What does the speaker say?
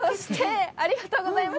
そして、ありがとうございます。